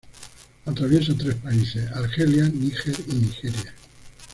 Atraviesa tres países: Argelia, Níger y Nigeria.